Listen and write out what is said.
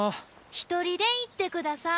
一人で行ってください。